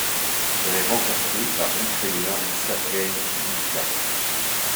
Elle est remportée par l'Ukrainien Sergueï Bubka.